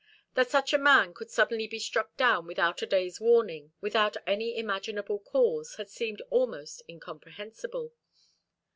That such a man could suddenly be struck down without a day's warning, without any imaginable cause, had seemed almost incomprehensible.